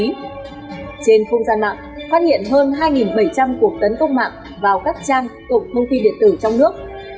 trên không gian mạng phát hiện hơn hai bảy trăm linh cuộc tấn công mạng vào các trang cổng thông tin điện tử trong nước